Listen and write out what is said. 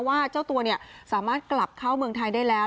เจ้าตัวสามารถกลับเข้าเมืองไทยได้แล้ว